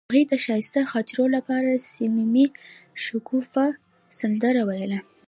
هغې د ښایسته خاطرو لپاره د صمیمي شګوفه سندره ویله.